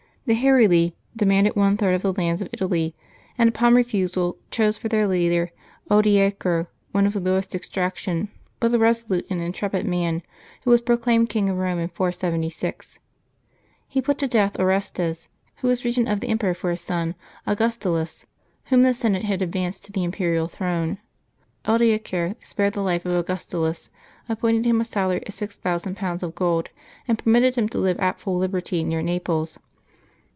The Heruli demanded one third of the lands of Italy, and upon refusal chose for their leader Odoacer, one of the lowest extraction, but a resolute and intrepid man, who was proclaimed king of Rome in 476. He put to death Orestes, who was regent of the empire for his son Augustulus, whom the senate had ad vanced to the imperial throne. Odoacer spared the life of Augustulus, appointed him a salary of six thousand pounds of gold, and permitted him to live at full liberty near Naples.